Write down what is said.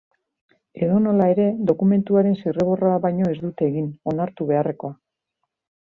Edonola ere, dokumentuaren zirriborroa baino ez dute egin, onartu beharrekoa.